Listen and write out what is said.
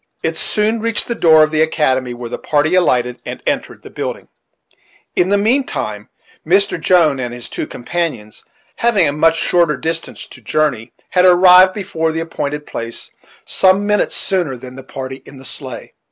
It soon reached the door of the academy, where the party alighted and entered the building. In the mean time, Mr. Jones and his two companions, having a much shorter distance to journey, had arrived before the appointed place some minutes sooner than the party in the sleigh.